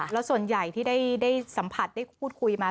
แล้วส่วนใหญ่ที่ได้สัมผัสได้พูดคุยมา